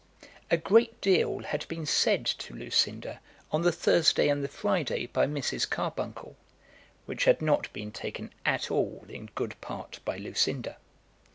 A great deal had been said to Lucinda on the Thursday and the Friday by Mrs. Carbuncle, which had not been taken at all in good part by Lucinda.